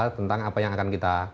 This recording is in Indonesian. tentang apa yang akan kita